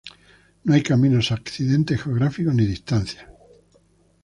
No hay caminos, accidentes geográficos ni distancias.